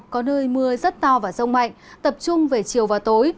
có nơi mưa rất to và rông mạnh tập trung về chiều và tối